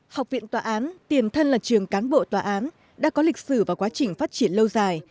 học viện tòa án tiền thân là trường cán bộ tòa án đã có lịch sử và quá trình phát triển lâu dài